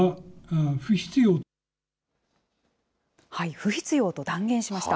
不必要と断言しました。